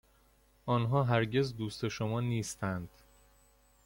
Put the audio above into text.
آنها هرگز دوست شما نیستند.